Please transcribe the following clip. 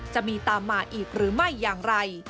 จะมีตามมาอีกหรือไม่อย่างไร